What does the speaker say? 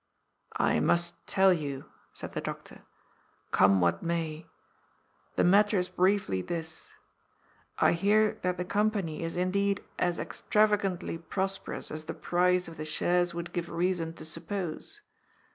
" I must tell you," said the Doctor, " come what may. The matter is briefly this. I hear that the Company is in deed as extravagantly prosperous as the price of the shares would give reason to suppose.